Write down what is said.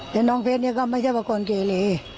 แต่น้องเพชรนี่ก็ไม่ใช่ประกวนเกรลี